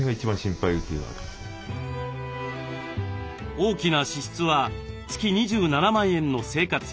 大きな支出は月２７万円の生活費。